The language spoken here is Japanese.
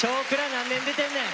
何年出てんねん。